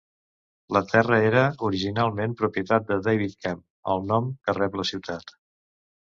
La terra era originalment propietat de David Kemp, el nom que rep la ciutat.